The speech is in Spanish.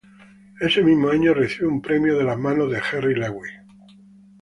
Ese mismo año, recibe un premio de las manos de Jerry Lewis.